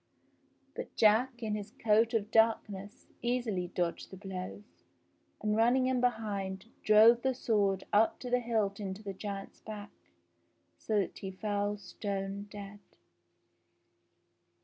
But Jack in his coat of darkness easily dodged the blows, and running in behind, drove the sword up to the hilt into the giant's back, so that he fell stone dead.